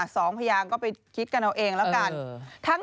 พยานก็ไปคิดกันเอาเองแล้วกัน